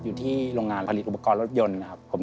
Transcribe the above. อยู่ที่โรงงานผลิตอุปกรณ์รถยนต์นะครับผม